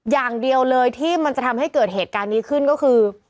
อย่างเดียวเลยที่มันจะทำให้เกิดเหตุการณ์นี้ขึ้นก็คือ